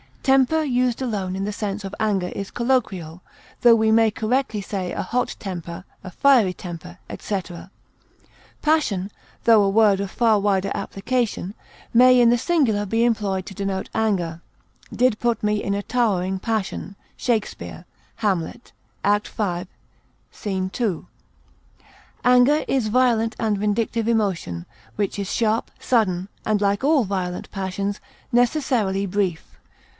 Temper used alone in the sense of anger is colloquial, tho we may correctly say a hot temper, a fiery temper, etc. Passion, tho a word of far wider application, may, in the singular, be employed to denote anger; "did put me in a towering passion," SHAKESPEARE Hamlet act v, sc. 2. Anger is violent and vindictive emotion, which is sharp, sudden, and, like all violent passions, necessarily brief.